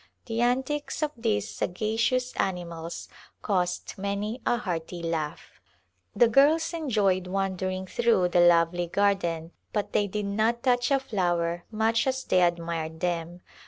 The antics of these sagacious animals caused many a hearty laugh. The girls enjoyed wandering through the lovely garden but they did not touch a flower much as they admired them.